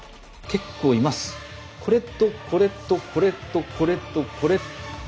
これとこれとこれとこれとこれ。